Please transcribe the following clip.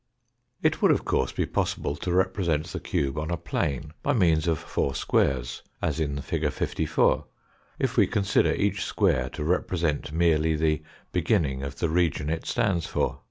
It would, of course, be possible to represent the cube on a plane by means of four squares, as in fig. 54, if we consider each square to re present merely the beginning of the region it stands for.